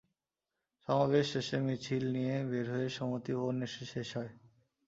সমাবেশ শেষে মিছিল নিয়ে বের হয়ে সমিতি ভবনে এসে শেষ হয়।